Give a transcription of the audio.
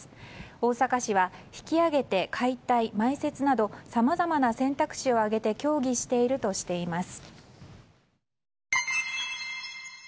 大阪市は引き揚げて解体・埋設などさまざまな選択肢を挙げて協議しているとしています。